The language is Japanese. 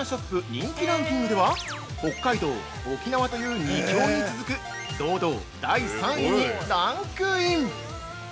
人気ランキングでは北海道、沖縄という２強に続く堂々第３位にランクイン！